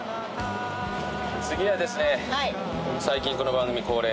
次はですね最近この番組恒例。